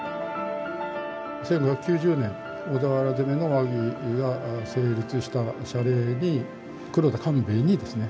１５９０年小田原攻めの和議が成立した謝礼に黒田官兵衛にですね